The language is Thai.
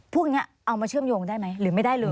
พวกนี้เอามาเชื่อมโยงได้ไหมหรือไม่ได้เลย